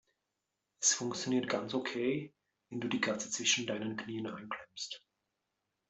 Es funktioniert ganz okay, wenn du die Katze zwischen deinen Knien einklemmst.